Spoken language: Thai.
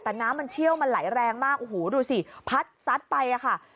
แต่น้ำมันเชี่ยวมันไหลแรงมากโอ้โหดูสิพัดซัดไปอะค่ะ